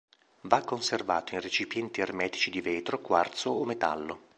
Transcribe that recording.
Va conservato in recipienti ermetici di vetro, quarzo o metallo.